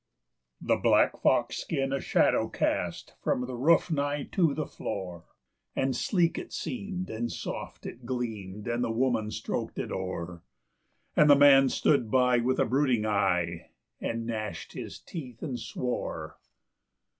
III. The black fox skin a shadow cast from the roof nigh to the floor; And sleek it seemed and soft it gleamed, and the woman stroked it o'er; And the man stood by with a brooding eye, and gnashed his teeth and swore.